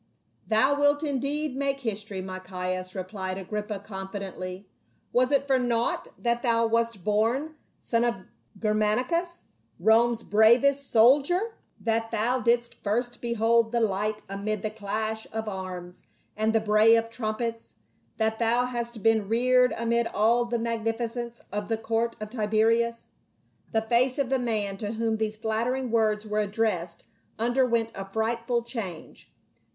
" Thou wilt indeed make history, my Caius," replied Agrippa, confidently. " Was it for naught that thou wast born son of Germanicus, Rome's bravest soldier ? that thou didst first behold the light amid the clash of arms and the bray of trumpets ? that thou hast been reared amid all the magnificence of the court of Tiberius ?" The face of the man to whom these flattering words were addressed underwent a frightful change.